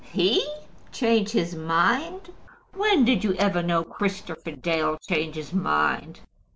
"He change his mind! When did you ever know Christopher Dale change his mind?"